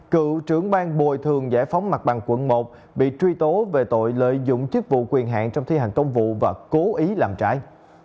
cựu trưởng ban bồi thường giải phóng mặt bằng quận một bị truy tố về tội lợi dụng chức vụ quyền hạn trong thi hành công vụ và cố ý làm trái